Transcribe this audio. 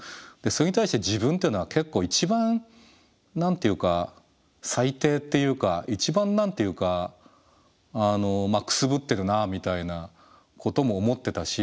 それに対して自分っていうのは結構一番何て言うか最低っていうか一番何て言うかくすぶってるなみたいなことも思ってたし。